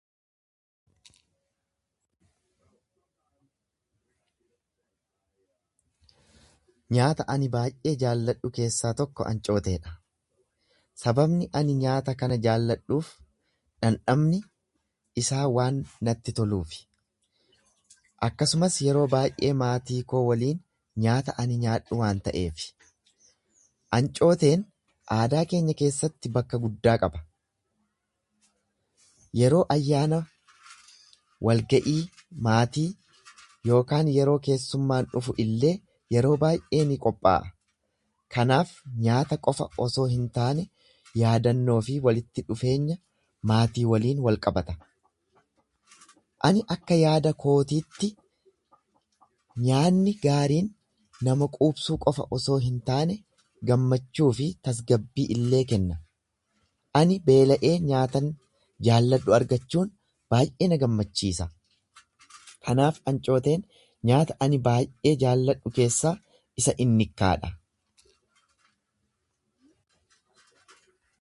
Nyaata ani baay’ee jaalladhu keessaa tokko ancootee dha. Sababni ani nyaata kana jaalladhuf, dhandhamni isaa waan naatti toluufi, akkasumas yeroo baay’ee maatii koo waliin nyaata ani nyaadhu waan ta'eefi. Ancooteen aadaa keenya keessatti bakka guddaa qaba. Yeroo ayyaana, walga’ii maatii, yookaan yeroo keessummaan dhufu illee yeroo baay’ee ni qophaa’a. Kanaaf nyaata qofa osoo hin taane yaadannoo fi walitti dhufeenya maatii waliin walqabata. Ani akka yaada kootiitti nyaanni gaariin nama quubsuu qofa osoo hin taane gammachuu fi tasgabbii illee kenna. Ani beela’ee nyaatan jaalladhu argachuun baay’ee na gammachiisa. Kanaaf ancooteen nyaata ani baay’ee jaalladhu keessaa isa innikkaa dha.